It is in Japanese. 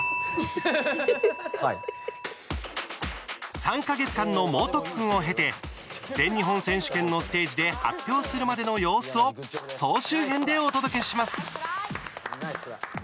３か月間の猛特訓を経て全日本選手権のステージで発表するまでの様子を総集編でお届けします。